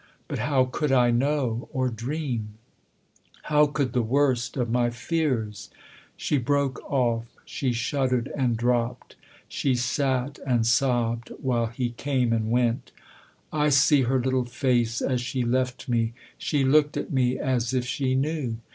But how could I know or dream ? How could the worst of my fears ?" She broke off, she shuddered ancj 300 THE OTHER HOUSE dropped ; she sat and sobbed while he came and went. " I see her little face as she left me she looked at me as if she knew.